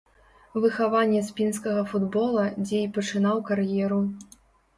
Выхаванец пінскага футбола, дзе і пачынаў кар'еру.